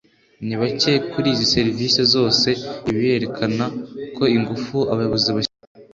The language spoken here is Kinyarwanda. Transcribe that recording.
ni bake kuri izi serivisi zose ibi birerekana ko ingufu abayobozi bashyira mu kwegera